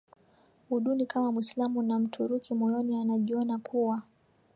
uduni Kama Mwislamu na Mturuki moyoni anajiona kuwa